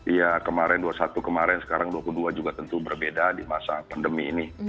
iya kemarin dua puluh satu kemarin sekarang dua puluh dua juga tentu berbeda di masa pandemi ini